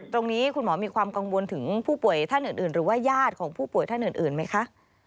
ตรงนี้คุณหมอมีความกังวลถึงผู้ป่วยท่านอื่นอื่นหรือว่ายาดของผู้ป่วยท่านอื่นอื่นไหมคะ